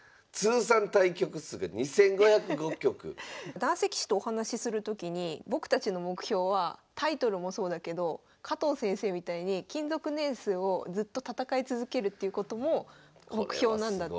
男性棋士とお話しするときに僕たちの目標はタイトルもそうだけど加藤先生みたいに勤続年数をずっと戦い続けるっていうことも目標なんだって。